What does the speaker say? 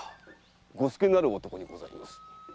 伍助なる男にございます。